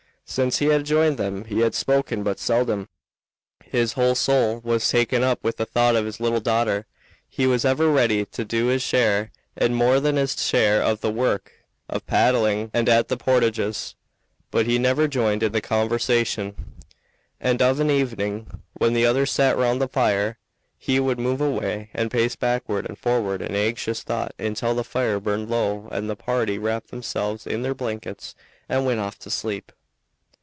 Since he had joined them he had spoken but seldom; his whole soul was taken up with the thought of his little daughter. He was ever ready to do his share and more than his share of the work of paddling and at the portages, but he never joined in the conversation; and of an evening, when the others sat round the fire, he would move away and pace backward and forward in anxious thought until the fire burned low and the party wrapped themselves in their blankets and went off to sleep.